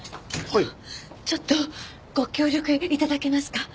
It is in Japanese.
ちょっとご協力頂けますか？